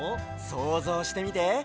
そうぞうしてみて！